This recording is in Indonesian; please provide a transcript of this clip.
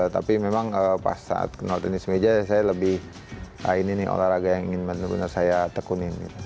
tapi memang pas saat kenal tenis meja saya lebih main ini nih olahraga yang bener bener saya tekuni